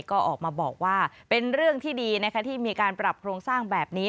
ก็ออกมาบอกว่าเป็นเรื่องที่ดีนะคะที่มีการปรับโครงสร้างแบบนี้